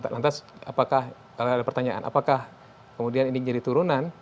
lantas apakah kalau ada pertanyaan apakah kemudian ini jadi turunan